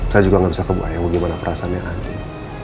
saya juga gak bisa kebayang bagaimana perasaannya andin